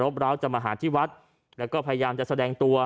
ร้าวจะมาหาที่วัดแล้วก็พยายามจะแสดงตัว